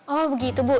oh begitu bu